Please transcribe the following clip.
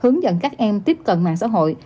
hướng dẫn các em tiếp cận mạng xã hội